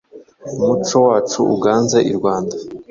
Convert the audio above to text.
Umuco wacu uganze i Rwanda.